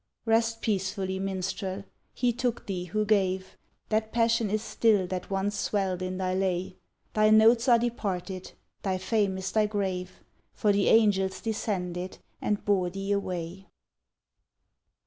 Rest peacefully, Minstrel, He took thee who gave, That passion is still that once swelled in thy lay, Thy notes are departed, thy fame is thy grave, For the angels descended and bore thee away.